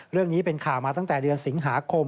เรื่องนี้เป็นข่าวมาตั้งแต่เดือนสิงหาคม